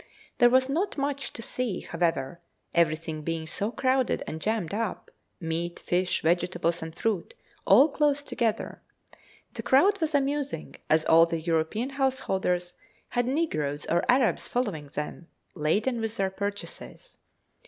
There was not much to see, however, everything being so crowded and jammed up, meat, fish, vegetables, and fruit, all close together. The crowd was amusing, as all the European householders had negroes or Arabs following them, laden with their purchases.